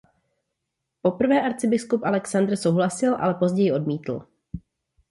Poprvé arcibiskup Alexandr souhlasil ale později odmítl.